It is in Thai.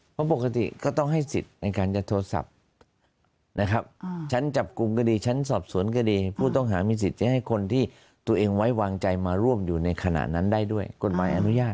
เพราะปกติก็ต้องให้สิทธิ์ในการจะโทรศัพท์นะครับชั้นจับกลุ่มก็ดีชั้นสอบสวนก็ดีผู้ต้องหามีสิทธิ์จะให้คนที่ตัวเองไว้วางใจมาร่วมอยู่ในขณะนั้นได้ด้วยกฎหมายอนุญาต